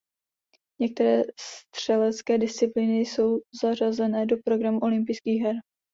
Některé střelecké disciplíny jsou zařazené do programu olympijských her.